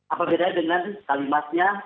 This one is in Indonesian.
apa bedanya dengan kalimatnya